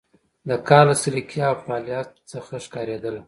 د کار له سلیقې او فعالیت څخه ښکارېدله.